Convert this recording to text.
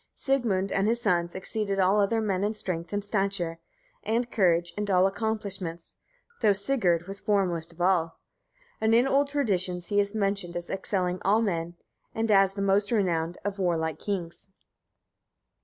Sigmund and his sons exceeded all other men in strength, and stature, and courage, and all accomplishments, though Sigurd was foremost of all; and in old traditions he is mentioned as excelling all men, and as the most renowned of warlike kings.